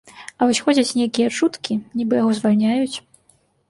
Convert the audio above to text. А вось ходзяць нейкія чуткі, нібы яго звальняюць.